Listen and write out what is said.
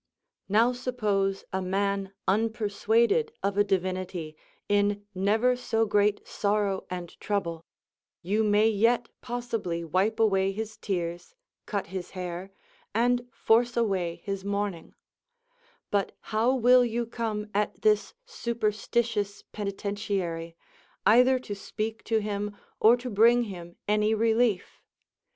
Now suppose a man unpersuaded of a Divinity in never so great sorrow and trouble, you may yet possibly wipe away his tears, cut his hair, and force away his mourning ; but how will yon come at this superstitious penitentiary, either to speak to him or to bring him any relief?